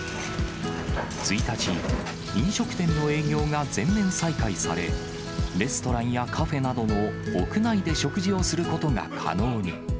１日、飲食店の営業が全面再開され、レストランやカフェなどの屋内で食事をすることが可能に。